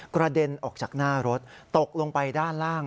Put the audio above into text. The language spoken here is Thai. กระเด็นออกจากหน้ารถตกลงไปด้านล่าง